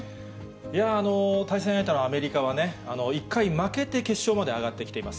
いやー、対戦相手のアメリカはね、１回負けて、決勝まで上がってきています。